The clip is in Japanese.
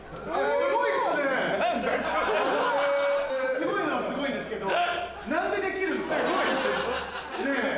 すごいのはすごいですけど何でできるんすか？ねぇ？